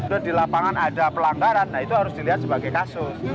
sudah di lapangan ada pelanggaran nah itu harus dilihat sebagai kasus